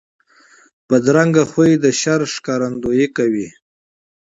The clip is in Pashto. بدرنګه خوی د شر ښکارندویي کوي